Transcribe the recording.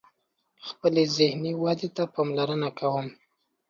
خپلی ذهنی ودي ته پاملرنه کوم